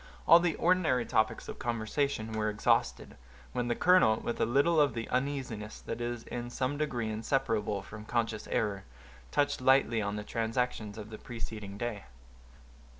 All the ordinary topics of conversation were exhausted, when the colonel, with a little of the uneasiness that is in some degree inseparable from conscious error, touched lightly on the transactions of the preceding day.